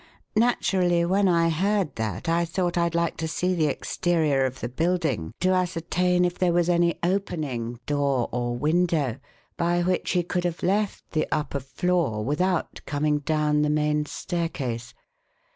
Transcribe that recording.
"Naturally when I heard that I thought I'd like to see the exterior of the building to ascertain if there was any opening, door or window, by which he could have left the upper floor without coming down the main staircase.